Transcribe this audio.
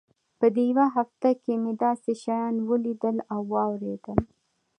په دې يوه هفته کښې مې داسې شيان وليدل او واورېدل.